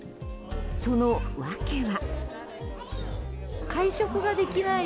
その訳は。